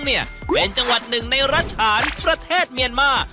เนี่ยเป็นจังหวัดหนึ่งในรัฐฉานประเทศเมียนมา